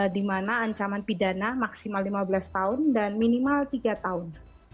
di mana ancaman pidana maksimal lima belas tahun dan minimal tiga tahun